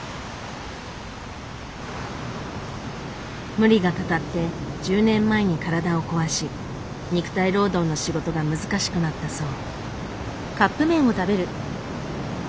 無理がたたって１０年前に体を壊し肉体労働の仕事が難しくなったそう。